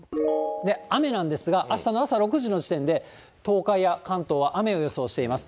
雨なんですが、あしたの朝６時の時点で、東海や関東は雨を予想しています。